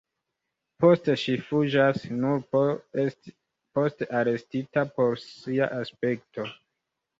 Poste ŝi fuĝas, nur por esti poste arestita pro sia aspekto.